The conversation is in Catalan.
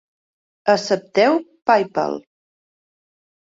Accepteu Paypal?